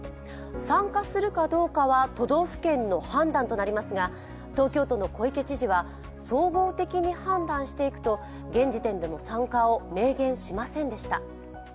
参加するかどうかは都道府県の判断となりますが、東京都の小池知事は総合的に判断していくと現時点での参加を明言しませんでした。